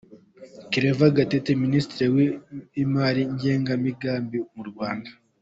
Claver Gatete, Minisitiri w’Imali n’Igenamigambi mu Rwanda.